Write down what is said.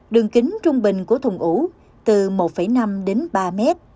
đường kính trung bình của thùng ủ từ một năm đến ba mét